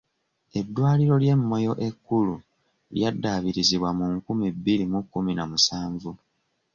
Eddwaliro ly'e Moyo ekkulu lyaddaabirizibwa mu nkumi bbiri mu kkumi na musanvu.